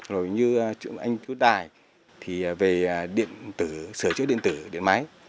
rồi như anh chú đài thì về điện tử sửa chữa điện tử điện máy